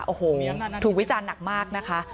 โอ้โหถูกวิจารณ์หนักมากนะคะ